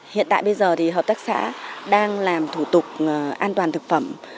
hiện tại bây giờ thì hợp tác xã đang làm thủ tục an toàn thuận